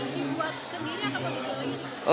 dibuat sendiri atau untuk stok